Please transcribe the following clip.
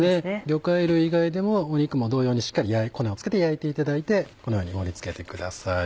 魚介類以外でも肉も同様にしっかり粉を付けて焼いていただいてこのように盛り付けてください。